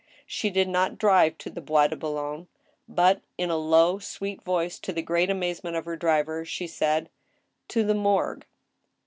She did not drive to the Bois de Boulogne, but, in a low, sweet voice, to the great amazement of her driver, she said :" To the morgue."